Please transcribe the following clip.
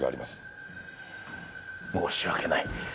申し訳ない。